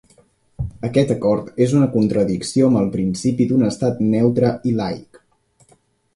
Aquest acord és en contradicció amb el principi d'un estat neutre i laic.